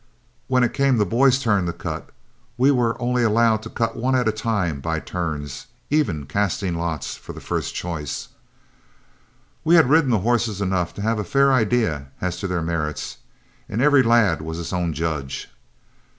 When it came the boys' turn to cut, we were only allowed to cut one at a time by turns, even casting lots for first choice. We had ridden the horses enough to have a fair idea as to their merits, and every lad was his own judge.